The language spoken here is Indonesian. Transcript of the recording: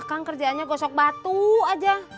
kang kerjaannya gosok batu aja